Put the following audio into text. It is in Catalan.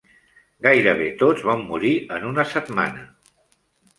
Gairebé tots van morir en una setmana.